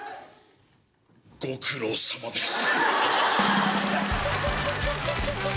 ご苦労さまです。